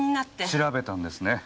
調べたんですね？